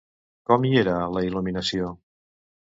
Com hi era la il·luminació?